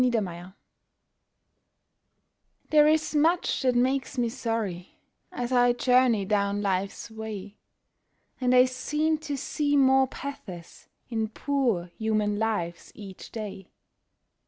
SORRY There is much that makes me sorry as I journey down life's way, And I seem to see more pathos in poor human lives each day.